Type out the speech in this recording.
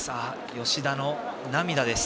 吉田の涙です。